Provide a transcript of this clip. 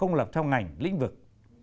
ngành lĩnh vực